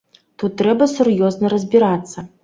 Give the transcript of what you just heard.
Тут трэба сур'ёзна разбірацца.